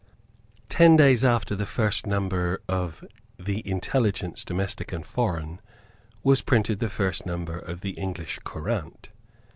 Ten days after the first number of the Intelligence Domestic and Foreign was printed the first number of the English Courant.